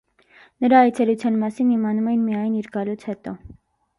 Նրա այցելության մասին իմանում էին միայն իր գալուց հետո։